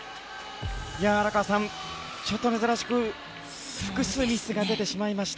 荒川さん、ちょっと珍しく複数ミスが出てしまいました。